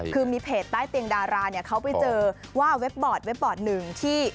คือมีเพจใต้เตียงดาราเนี่ยเขาไปเจอว่าเว็บบอร์ด๑ที่